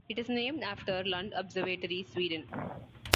It is named after Lund Observatory, Sweden.